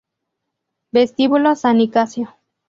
Vestíbulo San Nicasio